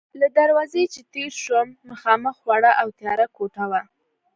له دروازې چې تېر شوم، مخامخ وړه او تیاره کوټه وه.